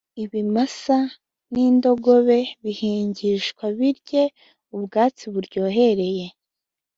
ibimasa n’indogobe bihingishwa birye ubwatsi buryohereye,